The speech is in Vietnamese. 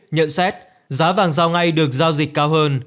nhận xét giá vàng giao ngay được giao dịch cao hơn